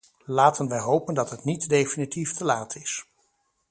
Laten wij hopen dat het niet definitief te laat is.